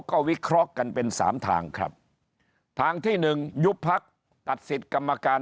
ก็วิเคราะห์กันเป็นสามทางครับทางที่หนึ่งยุบพักตัดสิทธิ์กรรมการ